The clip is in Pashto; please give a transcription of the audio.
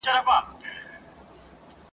نن د جنګ میدان ته ځي خو توپ او ګولۍ نه لري ..